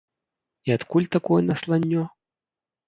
І адкуль такое насланнё?